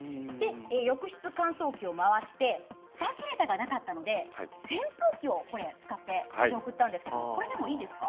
浴室乾燥機を回してサーキュレーターがなかったので扇風機を使って風を送ったんですがこれでもいいんですか？